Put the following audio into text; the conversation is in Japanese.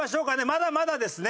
まだまだですね。